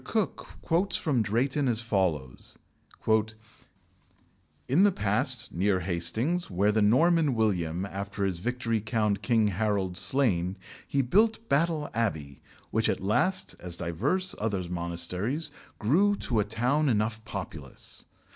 Cooke quotes from Drayton as follows: "In the plain, near Hastings, where the Norman William, after his victory found King Harold slain, he built Battle Abbey, which at last, as divers other monasteries, grew to a town enough populous.